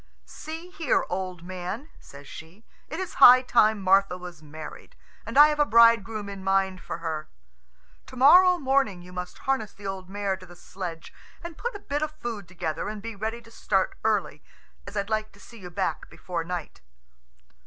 "See here, old man," says she, "it is high time Martha was married, and I have a bridegroom in mind for her. To morrow morning you must harness the old mare to the sledge, and put a bit of food together and be ready to start early, as I'd like to see you back before night."